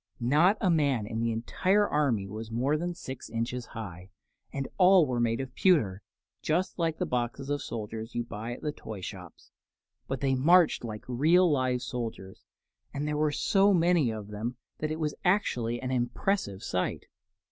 Not a man in the entire army was more than six inches high, and all were made of pewter just like the boxes of soldiers you buy at the toy shops; but they marched like real live soldiers, and there were so many of them that it was actually an impressive sight.